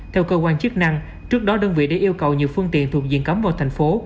theo cơ quan chức năng trước đó đơn vị đã yêu cầu nhiều phương tiện thuộc diện cấm vào thành phố